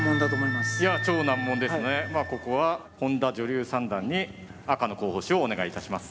まあここは本田女流三段に赤の候補手をお願いいたします。